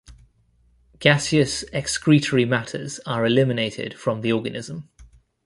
Gaseous excretory matters are eliminated from the organism.